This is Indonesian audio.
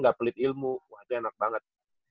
gak pelit ilmu waduh enak banget